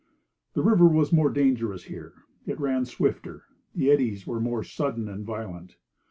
The river was more dangerous here; it ran swifter, the eddies were more sudden and violent.